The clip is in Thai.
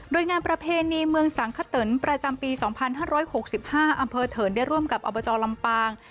โดยงานประเพณีเมืองสังขะตนประจำปีสองพันห้าร้อยหกสิบห้าอำเภอเถิญได้ร่วมกับอบจรลำปาง